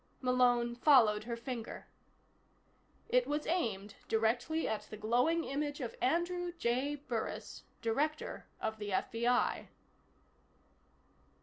Malone followed her finger. It was aimed directly at the glowing image of Andrew J. Burris, Director of the FBI.